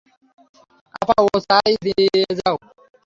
আপা, ও যা চায় দিয়ে দাও।